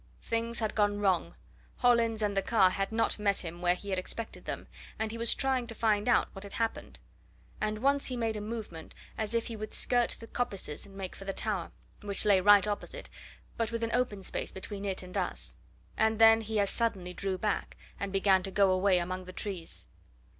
Things had gone wrong Hollins and the car had not met him where he had expected them and he was trying to find out what had happened. And once he made a movement as if he would skirt the coppices and make for the tower, which lay right opposite, but with an open space between it and us and then he as suddenly drew back, and began to go away among the trees.